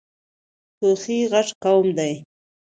توخی غټ قوم ده.